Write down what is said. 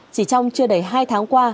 chỉ trong chưa đầy hai tháng qua